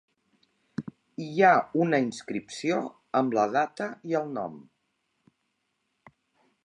Hi ha una inscripció amb la data i el nom.